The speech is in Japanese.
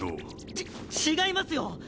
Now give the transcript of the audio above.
ち違いますよ！